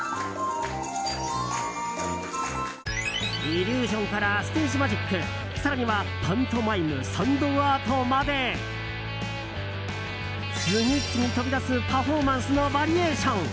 イリュージョンからステージマジック更にはパントマイムサンドアートまで次々飛び出すパフォーマンスのバリエーション。